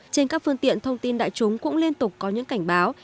trên các phương tiện thông tin đại chúng cũng liên tục có những cảnh báo